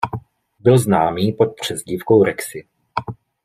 Byl známý pod přezdívkou Rexi.